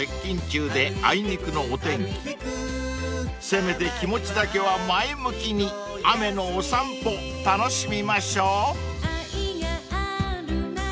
［せめて気持ちだけは前向きに雨のお散歩楽しみましょう］